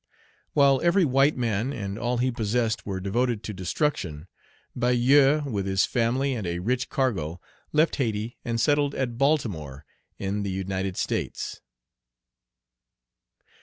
While every white man and all he possessed were devoted to destruction, Bayou, with his family and a rich cargo, left Hayti and settled at Baltimore, in the United States.